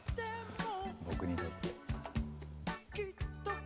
僕にとって。